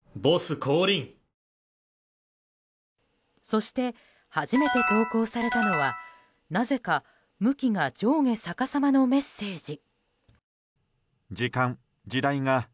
そして、初めて投稿されたのはなぜか向きが上下さかさまのメッセージ。